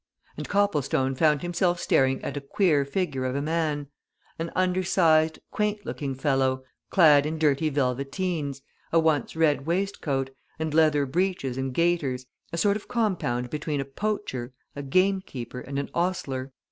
And Copplestone found himself staring at a queer figure of a man an under sized, quaint looking fellow, clad in dirty velveteens, a once red waistcoat, and leather breeches and gaiters, a sort of compound between a poacher, a game keeper, and an ostler.